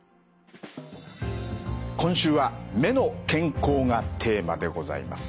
今週は「目の健康」がテーマでございます。